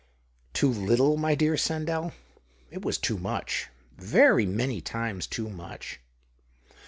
" Too little, my dear Sandell ? It was too much — very many times too much.